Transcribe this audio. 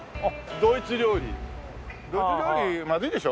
ドイツ料理まずいんでしょ？